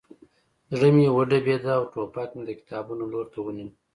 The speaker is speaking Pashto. زړه مې وډبېده او ټوپک مې د کتابونو لور ته ونیو